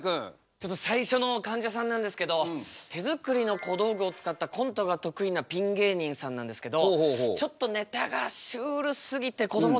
ちょっと最初のかんじゃさんなんですけど手作りの小道具を使ったコントが得意なピン芸人さんなんですけどちょっとネタがシュールすぎてこども